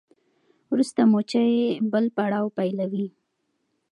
وروسته مچۍ بل پړاو پیلوي.